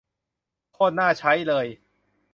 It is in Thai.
โคตรน่าใช้เลย